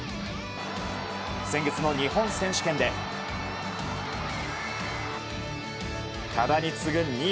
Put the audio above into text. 先月の日本選手権で多田に次ぐ２位。